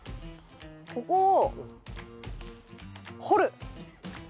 ここを掘る！